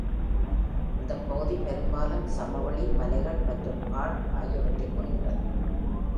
இந்த பகுதி பெரும்பாலும் சமவெளி, மலைகள் மற்றும் கார்ட் ஆகியவற்றைக் குறிக்கிறது.